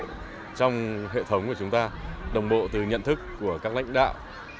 điều quan trọng là sự đồng bộ trong hệ thống của chúng ta đồng bộ từ nhận thức của các lãnh đạo